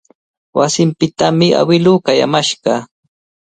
Wasinpitami awiluu qayamashqa.